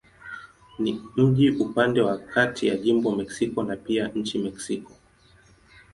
Ni mji upande wa kati ya jimbo Mexico na pia nchi Mexiko.